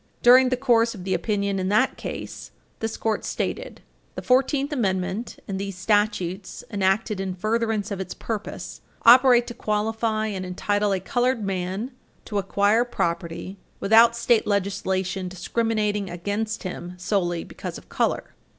During the course of the opinion in that case, this Court stated: "The Fourteenth Amendment and these statutes enacted in furtherance of its purpose operate to qualify and entitle a colored man to acquire Page 334 U. S. 12 property without state legislation discriminating against him solely because of color.